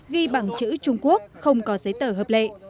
ghi bằng chữ trung quốc không có giấy tờ hợp lệ